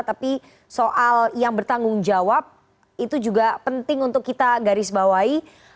tapi soal yang bertanggung jawab itu juga penting untuk kita garis bawahi